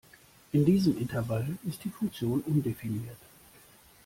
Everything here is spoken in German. In diesem Intervall ist die Funktion undefiniert.